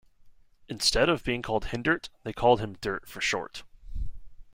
Instead of being called Hindert, they called him Dirt for short.